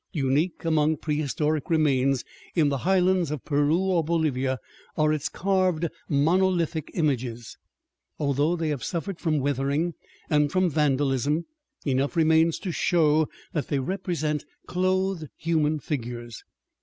Unique among prehistoric remains in the highlands of Peru or Bolivia are its carved monolithic images. Although they have suffered from weathering and from vandalism, enough remains to show that they represent clothed human figures.